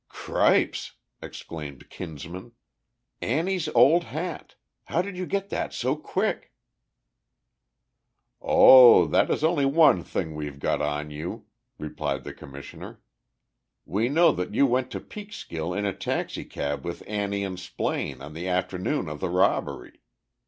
"Cripes!" exclaimed Kinsman. "Annie's old hat. How did you get that so quick?" "Oh, that is only one thing we've got on you," replied the Commissioner. "We know that you went to Peekskill in a taxicab with Annie and Splaine on the afternoon of the robbery.